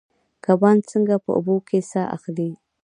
کبان څنګه په اوبو کې ساه اخلي؟